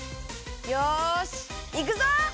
よしいくぞ！